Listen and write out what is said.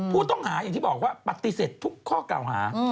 ผู้ต้องหาอย่างที่บอกว่าปฏิเสธทุกข้อเก่าหา